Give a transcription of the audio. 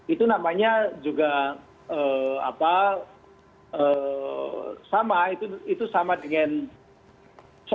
itu namanya juga sama itu sama dengan apa tadi influencer